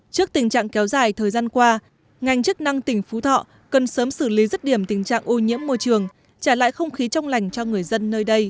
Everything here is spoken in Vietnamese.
trước tình trạng kéo dài thời gian qua ngành chức năng tỉnh phú thọ cần sớm xử lý rứt điểm tình trạng ô nhiễm môi trường trả lại không khí trong lành cho người dân nơi đây